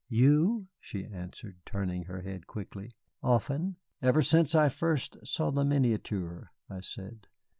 "You?" she answered, turning her head quickly. "Often?" "Ever since I first saw the miniature," I said.